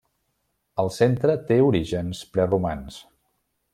El centre té orígens preromans.